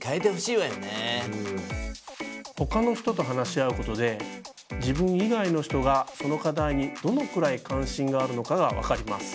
他の人と話し合うことで自分以外の人がその課題にどのくらい関心があるのかがわかります。